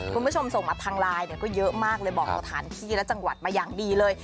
คุณผู้ชมส่งมาทางไลน์เนี่ยก็เยอะมากเลยบอกสถานที่และจังหวัดมาอย่างดีเลย